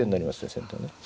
先手はね。